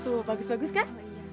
tuh bagus bagus kan